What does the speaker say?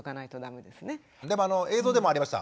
でも映像でもありました。